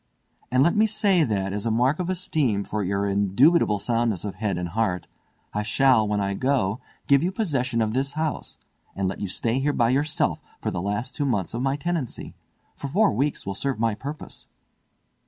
And let me say, that, as a mark of esteem for your indubitable soundness of head and heart, I shall, when I go, give you possession of this house, and let you stay here by yourself for the last two months of my tenancy, for four weeks will serve my purpose."